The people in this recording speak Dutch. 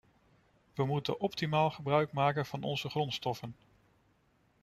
We moeten optimaal gebruik maken van onze grondstoffen.